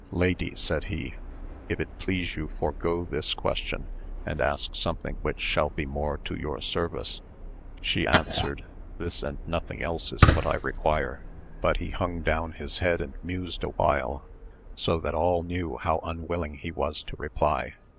Lady, said he, if it please you forego this question, and ask something which shall be more to your service. She answered, this and nothing else is what I require ! but he hung down his head and mused awhile, so that all knew how unwilling he was to reply.